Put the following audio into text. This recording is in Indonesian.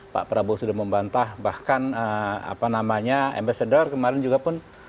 pak prabowo sudah membantah bahkan apa namanya ambasador kemarin juga pun